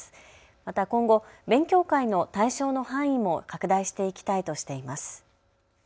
また今後勉強会の対象の範囲も拡大していきたいとしています。